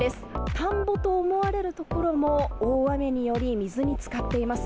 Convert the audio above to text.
田んぼと思われる所も、大雨により、水につかっています。